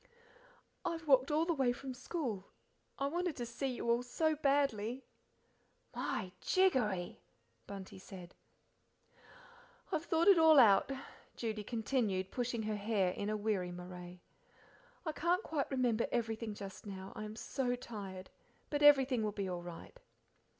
"I've walked all the way from school. I wanted to see you all so badly." "My jiggery!" Bunty said. "I've thought it all out," Judy continued, pushing back her hair in a weary moray. "I can't quite remember everything just now, I am so tired, but everything will be all right."